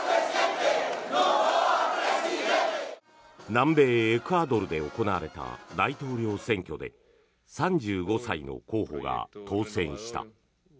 南米エクアドルで行われた大統領選挙で３５歳の候補が当選した。